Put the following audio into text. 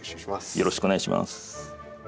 よろしくお願いします。